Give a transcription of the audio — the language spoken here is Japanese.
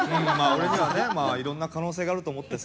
俺にはねいろんな可能性があると思ってさ。